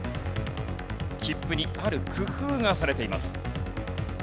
切符にある工夫がされています。